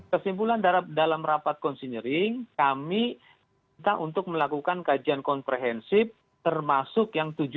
kesimpulan dalam rapat konsinyering kami kita untuk melakukan kajian komprehensif termasuk